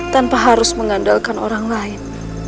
tanpa harus mengandalkan orang lain